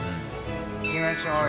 いきましょうよ。